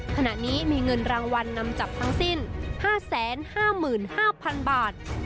ขณะนี้มีเงินรางวัลนำจับทั้งสิ้น๕๕๕๐๐๐บาท